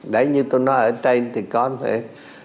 đấy như tôi nói ở trên thì có phải